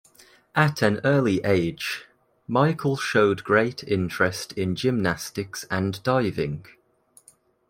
At an early age, Michael showed great interest in gymnastics and diving.